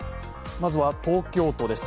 まずは東京都です。